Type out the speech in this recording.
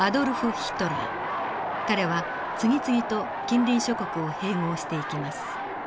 彼は次々と近隣諸国を併合していきます。